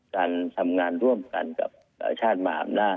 ทำงานร่วมกันกับชาติมาหามนาฏ